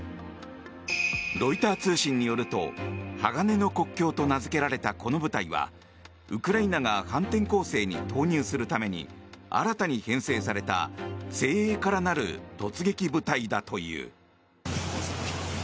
ロイター通信によると鋼の国境と名付けられたこの部隊はウクライナが反転攻勢に投入するために新たに編成された精鋭から成る突撃部隊だという。